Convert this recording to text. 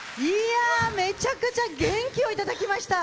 めちゃくちゃ元気をいただきました。